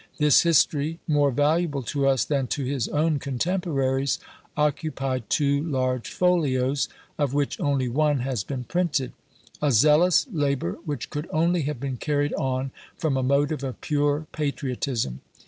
This history, more valuable to us than to his own contemporaries, occupied two large folios, of which only one has been printed: a zealous labour, which could only have been carried on from a motive of pure patriotism.